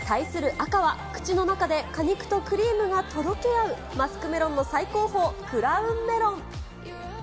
赤は、口の中で果肉とクリームがとろけ合うマスクメロンの最高峰、クラウンメロン。